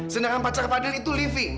sedangkan pacar fadil itu livi